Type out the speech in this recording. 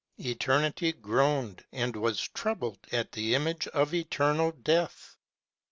300 Eternity groaned and was troubled at the Image of Eternal Death.